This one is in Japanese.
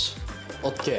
ＯＫ。